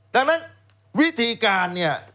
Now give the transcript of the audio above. ดังนั้นวิธีการเนี่ย